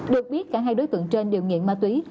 được biết cả hai đối tượng trên đều nghiện ma túy